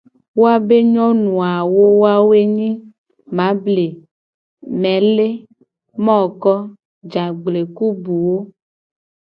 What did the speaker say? Woabe nyonu awo a wo ye nyi : mable, mele, moko, jagble, ku buwo.